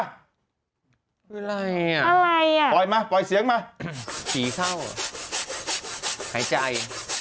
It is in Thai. คืออะไรอ่ะอะไรอ่ะปล่อยมาปล่อยเสียงมาผีเข้าหายใจ